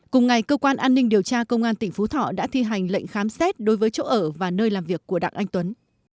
cùng ngày cơ quan an ninh điều tra công an tỉnh phú thọ đã thi hành lệnh khám xét đối với chỗ ở và nơi làm việc của đặng anh tuấn